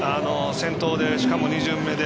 先頭で、しかも２巡目で。